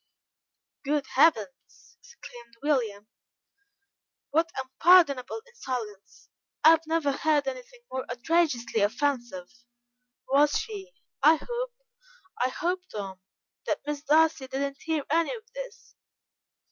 '" "Good heavens!" exclaimed William, "what unpardonable insolence! I have never heard anything more outrageously offensive. Was she I hope, I hope, Tom, that Miss Darcy did not hear any of this?"